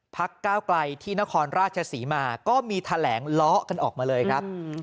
ก้าวไกลที่นครราชศรีมาก็มีแถลงล้อกันออกมาเลยครับ